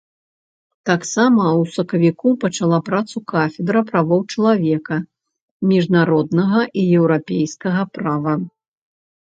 Таксама ў сакавіку пачала працу кафедра правоў чалавека, міжнароднага і еўрапейскага права.